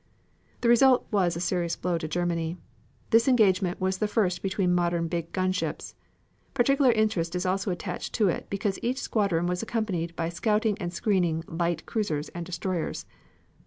The result was a serious blow to Germany. This engagement was the first between modern big gun ships. Particular interest is also attached to it because each squadron was accompanied by scouting and screening light cruisers and destroyers.